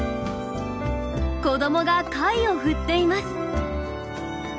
子どもが貝を振っています。